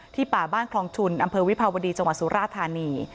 ป่าบ้านคลองชุนอำเภอวิภาวดีจังหวัดสุราธานี